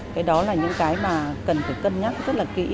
cái đó là những cái mà cần phải cân nhắc rất là kỹ